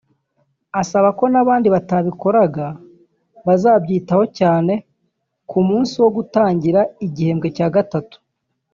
asaba ko n’abandi batabikoraga bazabyitaho cyane ku munsi wo gutangira igihembwe cya gatatu